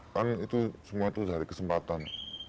kan itu semua itu dari kesempatan